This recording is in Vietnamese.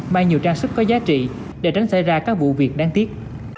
mang nhiều trang sức có giá trị để tránh xảy ra các vụ việc đáng tiếc